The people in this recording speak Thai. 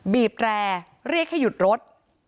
บีบแร่เรียกให้หยุดรถ